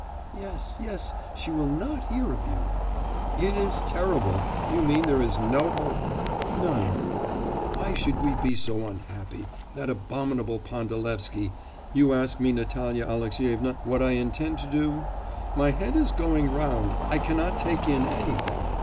'Yes, yes, she will not hear of you.' 'It is terrible! You mean there is no hope?' 'None.' 'Why should we be so unhappy! That abominable Pandalevsky!... You ask me, Natalya Alexyevna, what I intend to do? My head is going round I cannot take in anything...